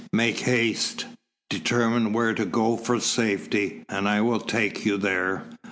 Make haste. Determine where to go for safety, and I will take you there."